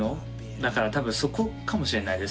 だから多分そこかもしれないです。